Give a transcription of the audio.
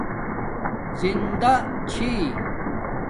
زندݳ چھی